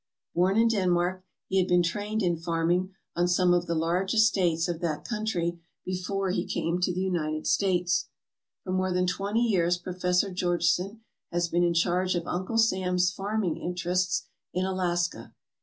Born in Denmark, he had been trained in farming on some of the large estates of that country before he came to the United States, For more than twenty years Professor Georgeson has been in charge of Uncle Sam's farming interests in Alaska.